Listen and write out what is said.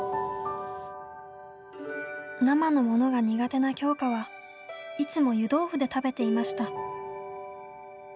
生のものが苦手な鏡花はいつも湯豆腐で食べていました。